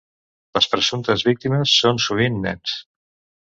Les presumptes víctimes són sovint nens.